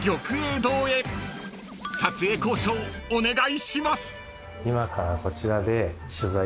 ［撮影交渉お願いします］